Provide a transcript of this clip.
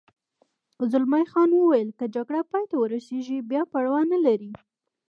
زلمی خان وویل: که جګړه پای ته ورسېږي بیا پروا نه لري.